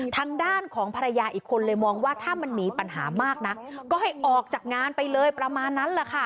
ทางด้านของภรรยาอีกคนเลยมองว่าถ้ามันมีปัญหามากนักก็ให้ออกจากงานไปเลยประมาณนั้นแหละค่ะ